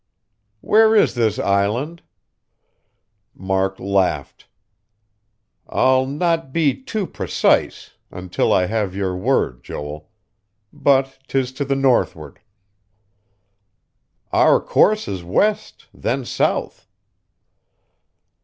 "Where is this island?" Mark laughed. "I'll not be too precise until I have your word, Joel. But 'tis to the northward." "Our course is west, then south."